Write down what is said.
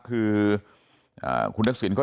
คือคนนักศิลป์ก็